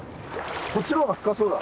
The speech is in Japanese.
こっちの方が深そうだ。